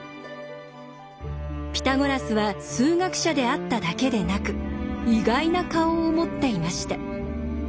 ピタゴラスは数学者であっただけでなく意外な顔を持っていました。